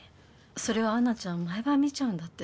それをアンナちゃん毎晩見ちゃうんだって。